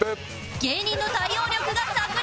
芸人の対応力が炸裂！